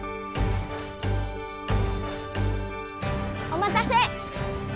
おまたせ！